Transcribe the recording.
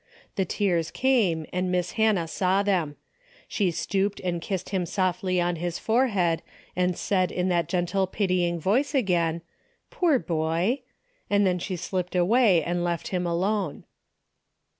The tears came and Miss Hannah saw them. She stooped and kissed him softly on his forehead and said in that gentle pitying voice again, " Poor boy !" and then she slipped away and left him alone.